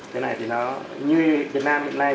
thế này thì nó như việt nam hiện nay